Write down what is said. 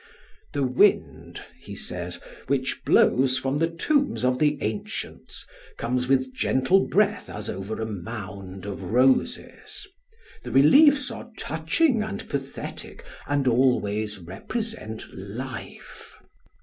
"The wind," he says, "which blows from the tombs of the ancients comes with gentle breath as over a mound of roses. The reliefs are touching and pathetic, and always represent life.